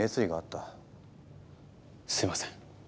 すいません。